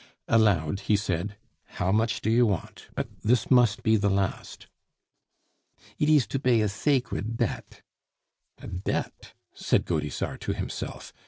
Aloud he said, "How much do you want? But this must be the last." "It ees to bay a zacred debt." "A debt!" said Gaudissart to himself.